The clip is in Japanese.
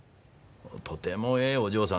とてもええお嬢さん。